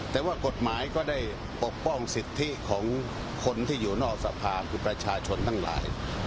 แต่ว่ากฎหมายก็ได้ปกป้องสิทธิของคนที่อยู่นอกสภาคือประชาชนทั้งหลาย